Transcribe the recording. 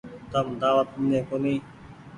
تم دآوت ڏيني ڪونيٚ ۔